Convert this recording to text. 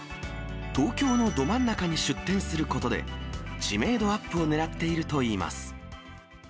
東京のど真ん中に出店することで、知名度アップをねらっているといいます。